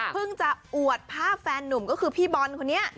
จะอวดภาพแฟนนุ่มก็คือพี่บอลคนนี้